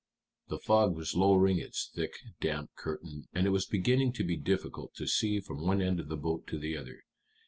The fog was lowering its thick, damp curtain, and it was beginning to be difficult to see from one end of the boat to the other.